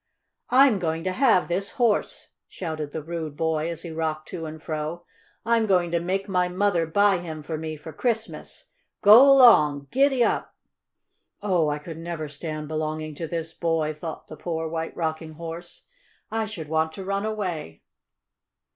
"I'm going to have this Horse!" shouted the rude boy, as he rocked to and fro. "I'm going to make my mother buy him for me for Christmas. Go 'long! Gid dap!" "Oh, I never could stand belonging to this boy!" thought the poor White Rocking Horse. "I should want to run away!"